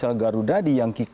harga tertingginya untuk